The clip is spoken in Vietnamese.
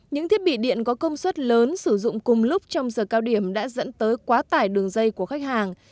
những thiết bị điện có công suất lớn sử dụng cùng lúc trong giờ cao điểm đã dẫn tới quá tải đường dây của khách hàng